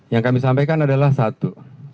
yang kami sampaikan adalah satu